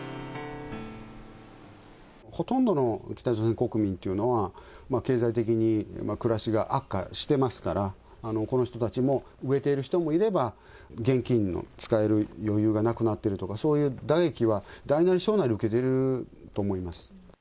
ほとんどの北朝鮮国民というのは、経済的に暮らしが悪化してますから、この人たちも飢えている人もいれば、現金の使える余裕がなくなってるとか、そういう打撃は、大なり小なり受けていると思います。